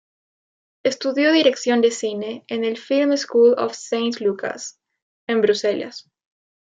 Estudió dirección de cine en el "Film School of St-Lucas", en Bruselas.